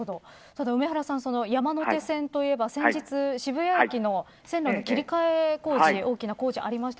梅原さん、山手線といえば先日渋谷駅の線路の切り替え工事がありました。